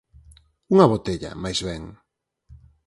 Unha botella, máis ben.